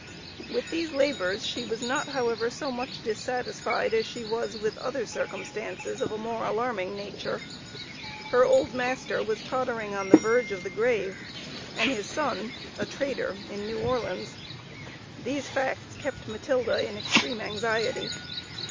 With these labors, she was not, however, so much dissatisfied as she was with other circumstances of a more alarming nature: her old master was tottering on the verge of the grave, and his son, a trader in New Orleans. These facts kept Matilda in extreme anxiety.